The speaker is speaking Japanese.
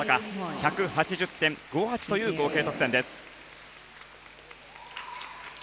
１８０．５８という合計得点です。